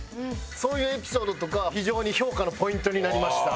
そういうエピソードとか非常に評価のポイントになりました。